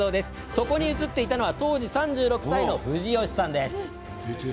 そこに映っていたのは当時、３６歳の藤吉さんです。